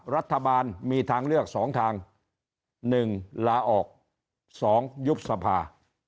รัฐบาลมีทางเลือกสองทางหนึ่งลาออกสองยุบสภา